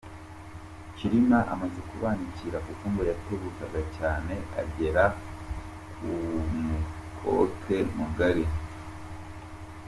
Cyilima amaze kubanikira kuko ngo yatebukaga cyane, agera ku mukoke mugari.